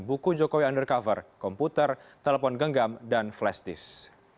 buku jokowi undercover komputer telepon genggam dan flash disk